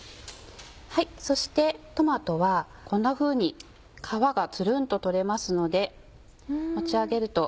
そしてトマトはこんなふうに皮がツルンと取れますので持ち上げると。